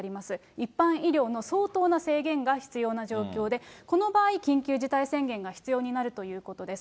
一般医療の相当な制限が必要な状況で、この場合、緊急事態宣言が必要になるということです。